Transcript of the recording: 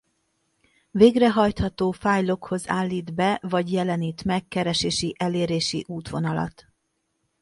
Végrehajtható fájlokhoz állít be vagy jelenít meg keresési elérési útvonalat.